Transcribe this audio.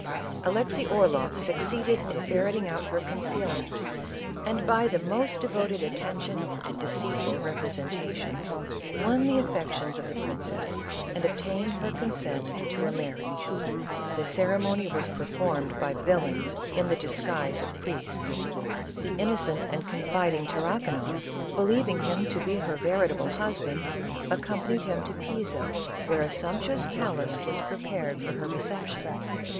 Alexey Orloff succeeded in ferreting out her concealment, and, by the most devoted attention and deceitful representations, won the affections of the princess and obtained her con sent to a marriage. The ceremony was performed by CATHERINE OF RUSSIA, 423 villains in the disguise of priests. The innocent and confiding Tarrakanoff, believing him to be her veri table husband, accompanied him to Pisa, where a sumptuous palace was prepared for her reception.